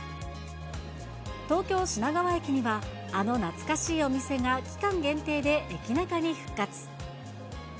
東京・品川駅にはあの懐かしいお店が期間限定で駅ナカに復活。